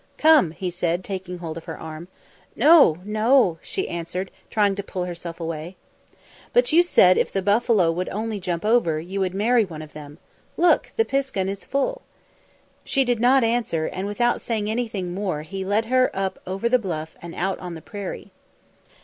"Come," he said, taking hold of her arm. "No, no," she answered, trying to pull herself away. "But you said if the buffalo would only jump over, you would marry one of them. Look, the piskun is full." She did not answer, and without saying anything more he led her up over the bluff and out on the prairie.